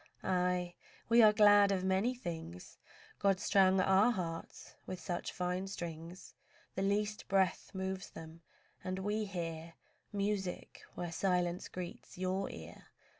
Aye! we are glad of many things; God strung our hearts with such fine strings The least breath moves them, and we hear Music where silence greets your ear.